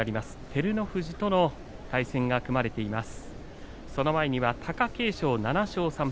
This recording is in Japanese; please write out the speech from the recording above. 照ノ富士との対戦が組まれています。